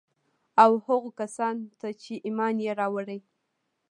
او هغو کسان ته چي ايمان ئې راوړى